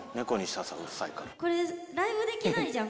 ライブできないじゃん